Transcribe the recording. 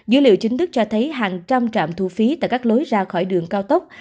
dữ liệu chính thức cho thấy hàng trăm trạm thu phí tại các lối ra khỏi đường cao tốc